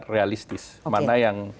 realistis mana yang